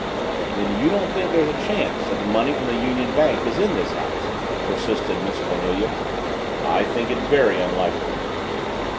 "Then you don't think there's a chance that the money from the Union Bank is in this house?" persisted Miss Cornelia. "I think it very unlikely."